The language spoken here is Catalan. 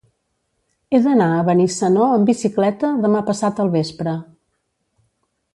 He d'anar a Benissanó amb bicicleta demà passat al vespre.